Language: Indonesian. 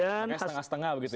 ya setengah setengah begitu ya